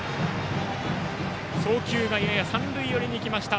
送球がやや三塁寄りにいきました。